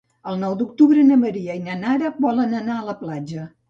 El nou d'octubre na Maria i na Nara volen anar a la platja.